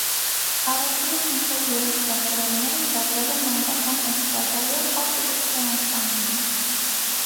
Առաջինից մինչև երրորդ դասարանները զբաղվել է մանկական էստրադայով՝ «Ա+Բ» անսամբլում։